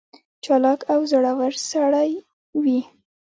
چالاک او زړه ور سړی وي.